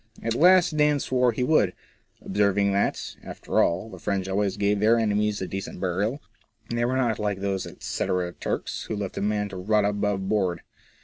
At last Dan swore he would, observing that, after all, the French always gave their enemies a decent burial ; they were not like those etcetera Turks, who left a man to rot above board.